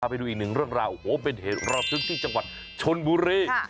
เอาไปดูอีกนึงเรื่องราวโหเป็นเหตุราคมถึงที่จังหวัดชนบุรี